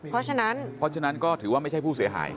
เพราะฉะนั้นก็ถือว่าไม่ใช่ผู้เสียหาย